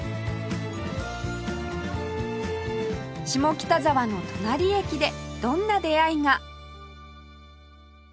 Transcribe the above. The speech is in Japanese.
下北沢の隣駅でどんな出会いが？